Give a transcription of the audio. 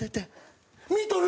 見とる！